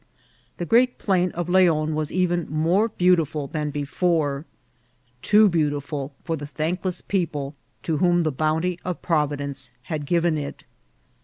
The great plain of Leon was even more beautiful than before ; too beautiful for the thankless people to whom the bounty of Providence had given it.